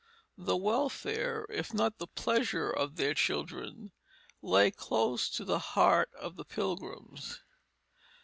The welfare, if not the pleasure of their children, lay close to the heart of the Pilgrims.